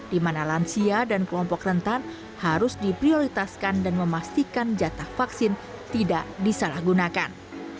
di mana lansia dan kelompok rentan harus diprioritaskan dan memastikan jatah vaksin tidak disalahgunakan